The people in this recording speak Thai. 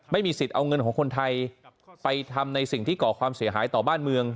ไม่มีสิทธิ์เอาเงินของคนไทยไปทำในสิ่งที่ก่อความเสียหายต่อบ้านเมือง